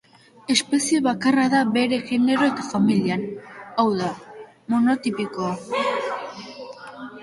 Espezie bakarra da bere genero eta familian, hau da, monotipikoa.